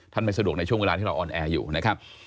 ไม่สะดวกในช่วงเวลาที่เราออนแอร์อยู่นะครับ